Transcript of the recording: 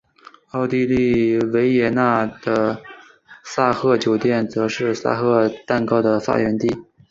奥地利维也纳的萨赫酒店则是萨赫蛋糕的发源地。